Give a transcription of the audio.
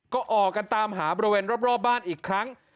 ก็ออกกันตามหาบริเวณรอบบ้านอีกครั้ง